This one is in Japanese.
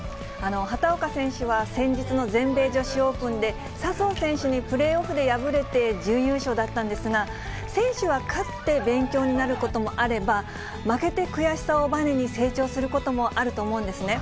畑岡選手は先日の全米女子オープンで、笹生選手にプレーオフで敗れて準優勝だったんですが、選手は勝って勉強になることもあれば、負けて悔しさをばねに成長することもあると思うんですね。